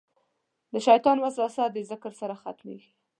د شیطان وسوسه د ذکر سره ختمېږي.